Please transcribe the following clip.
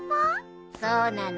そうなの。